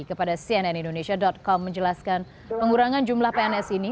kepada cnnindonesia com menjelaskan pengurangan jumlah pns ini